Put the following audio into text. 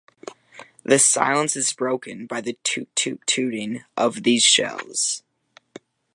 The silence is broken by the toot-toot-tooting of these shells.